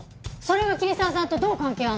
それが桐沢さんとどう関係あるの？